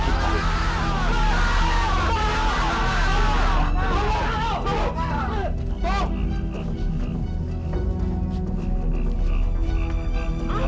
apa yang akan kalian lakukan